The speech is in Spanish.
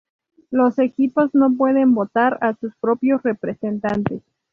Los equipos no pueden votar a sus propios representantes.